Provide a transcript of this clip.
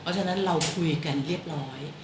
เพราะฉะนั้นเราคุยกันเรียบร้อย